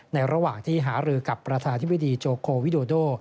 ระหว่างที่หารือกับประธานธิบดีโจโควิโดโด